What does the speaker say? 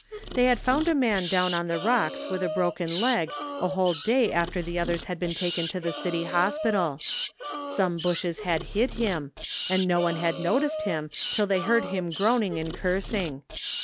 They had found a man down on the rocks with a broken leg a whole day after the others had been taken to the city hospital. Some bushes had hid him and no one had noticed him till they heard him groaning and cursing.